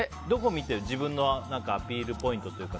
自分のアピールポイントというか。